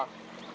kalau satu telat